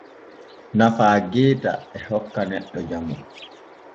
Nafa geeta e hokka neɗɗo jamu.